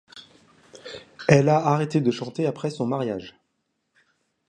Elle a arrêté de chanter après son mariage.